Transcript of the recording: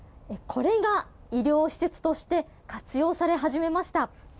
これが、医療施設として活用され始めました。